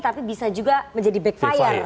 tapi bisa juga menjadi backfire